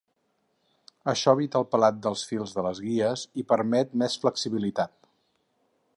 Això evita el pelat dels fils de les guies i permet més flexibilitat.